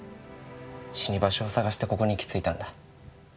死に場所を探してここに行き着いたんだ。